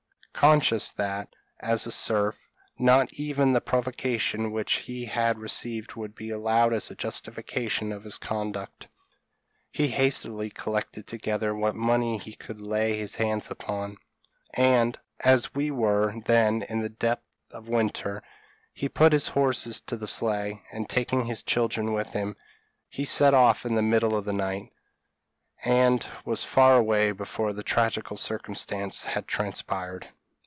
Conscious that, as a serf, not even the provocation which he had received would be allowed as a justification of his conduct, he hastily collected together what money he could lay his hands upon, and, as we were then in the depth of winter, he put his horses to the sleigh, and taking his children with him, he set off in the middle of the night, and was far away before the tragical circumstance had transpired.